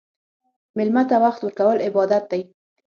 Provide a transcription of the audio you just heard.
مېلمه ته وخت ورکول عبادت دی.